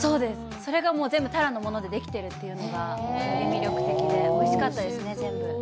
それが全部太良のものでできてるというのが魅力的で、おいしかったですね、全部。